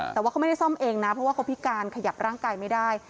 แต่ว่าเขาไม่ได้ซ่อมเองนะเพราะว่าเขาพิการขยับร่างกายไม่ได้